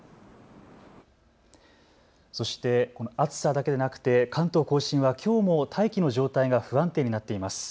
そしてこの暑さだけではなくて関東甲信はきょうも大気の状態が不安定になっています。